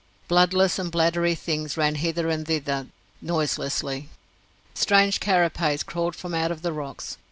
Bloodless and bladdery things ran hither and thither noiselessly. Strange carapaces crawled from out of the rocks.